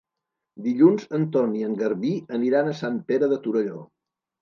Dilluns en Ton i en Garbí aniran a Sant Pere de Torelló.